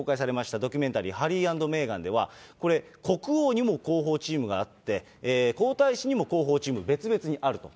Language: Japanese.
ドキュメンタリー、ハリー＆メーガンでは、これ、国王にも広報チームがあって、皇太子にも広報チーム、別々にあると。